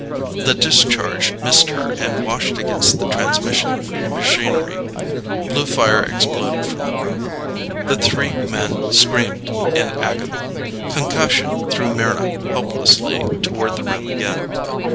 The discharge missed her and washed against the transmission machinery. Blue fire exploded from the room. The three men screamed in agony. Concussion threw Mryna helplessly toward the rim again.